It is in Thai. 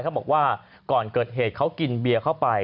เขาบอกว่าก่อนเกิดเหตุเขากินเบียร์เข้าไป